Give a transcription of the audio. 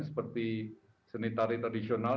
seperti seni tari tradisional